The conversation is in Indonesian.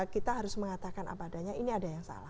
kita harus mengatakan apa adanya ini ada yang salah